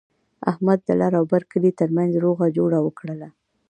احمد د لر او بر کلي ترمنځ روغه جوړه وکړله.